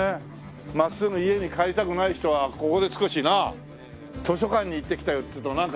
真っすぐ家に帰りたくない人はここで少しなあ図書館に行ってきたよって言うとなんかねえ